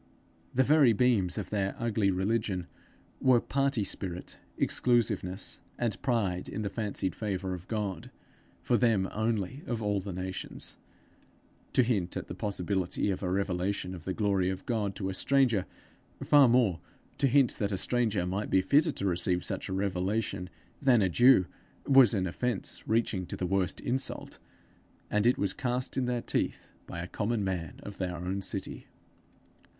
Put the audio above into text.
The very beams of their ugly religion were party spirit, exclusiveness, and pride in the fancied favour of God for them only of all the nations: to hint at the possibility of a revelation of the glory of God to a stranger; far more, to hint that a stranger might be fitter to receive such a revelation than a Jew, was an offence reaching to the worst insult; and it was cast in their teeth by a common man of their own city!